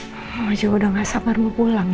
mama juga udah gak sabar mau pulang ini